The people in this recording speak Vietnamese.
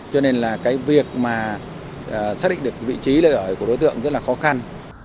cho nên là cái việc mà xác định được vị trí nơi ở của đối tượng rất là khó khăn